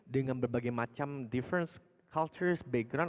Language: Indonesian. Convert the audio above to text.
dengan berbagai macam kultur berbeda latar belakang